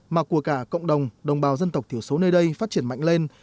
mà của cả cộng đồng đồng bào dân tộc thiểu số nơi đây phát triển mạnh lên